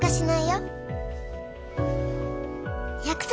約束！